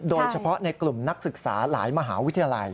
โดยเฉพาะในกลุ่มนักศึกษาหลายมหาวิทยาลัย